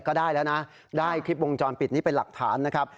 ก็ได้แล้วนะได้คลิปวงจรปิดนี้เป็นหลักฐานนะครับ